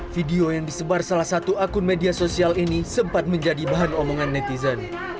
video yang disebar salah satu akun media sosial ini sempat menjadi bahan omongan netizen